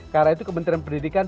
karena itu kementrian pendidikan